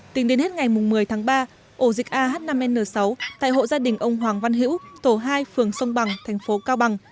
tính đến hết ngày một mươi tháng ba ổ dịch ah năm n sáu tại hộ gia đình ông hoàng văn hữu tổ hai phường sông bằng thành phố cao bằng